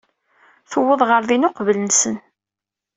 Tuweḍ ɣer din uqbel-nsen.